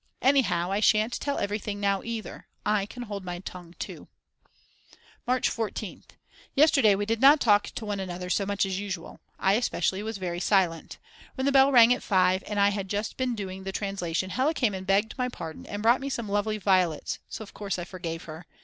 Anyhow I shan't tell everything now either; I can hold my tongue too. March 14th. Yesterday we did not talk to one another so much as usual; I especially was very silent. When the bell rang at 5 and I had just been doing the translation Hella came and begged my pardon and brought me some lovely violets, so of course I forgave her.